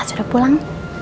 mas udah pulang